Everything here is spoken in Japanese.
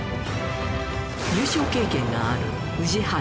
優勝経験がある宇治原